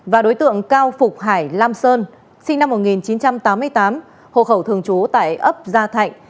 và đối tượng cao phục hải lam sơn sinh năm một nghìn chín trăm tám mươi tám hộ khẩu thường trú tại ấp gia thạnh